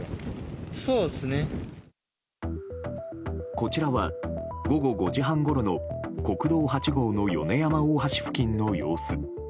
こちらは午後５時半ごろの国道８号の米山大橋付近の様子。